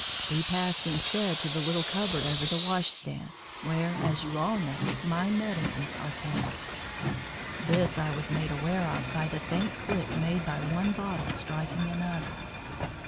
He passed instead to the little cupboard over the wash stand, where, as you all know, my medicines are kept. This I was made aware of by the faint click made by one bottle striking another.